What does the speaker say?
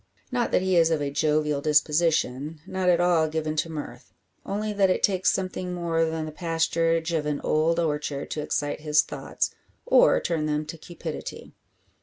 Not that he is of a jovial disposition, not at all given to mirth; only that it takes something more than the pasturage of an old orchard to excite his thoughts, or turn them to cupidity.